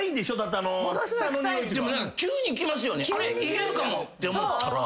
いけるかもって思ったら。